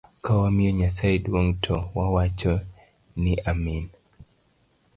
Kawamiyo Nyasaye duong to wawacho ni amin.